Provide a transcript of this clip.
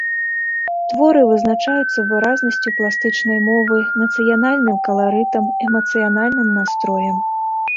Творы вызначаюцца выразнасцю пластычнай мовы, нацыянальным каларытам, эмацыянальным настроем.